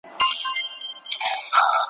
نه به چاته له پنجابه وي د جنګ امر راغلی ,